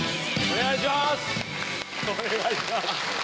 お願いします。